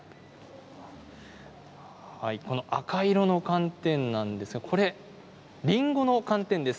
赤い色の寒天なんですがこれ、りんごの寒天です。